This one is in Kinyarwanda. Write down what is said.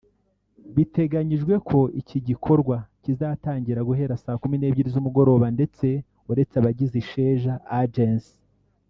Biteganyijwe ko iki gikorwa kizatangira guhera saa kumi n’ebyiri z’umugoroba ndetse uretse abagize Isheja agency